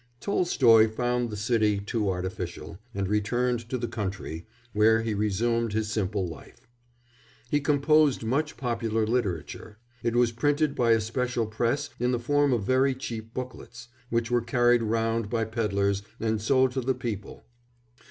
Tolstoy found the city too artificial, and returned to the country, where he resumed his simple life. He composed much popular literature; it was printed by a special press in the form of very cheap booklets, which were carried round by pedlars and sold to the people.